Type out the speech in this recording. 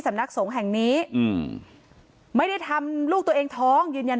สำนักสงฆ์แห่งนี้อืมไม่ได้ทำลูกตัวเองท้องยืนยัน